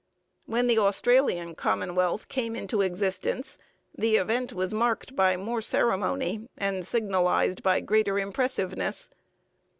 When the Australian Commonwealth came into existence, the event was marked by more ceremony and signalized by greater impressiveness.